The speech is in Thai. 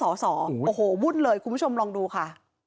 โอ้โหวุ่นเลยคุณผู้ชมลองดูค่ะ